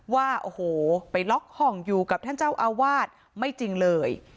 ว่าโอ้โหไปล็อกห้องอยู่กับท่านเจ้าอาวาสไม่จริงเลย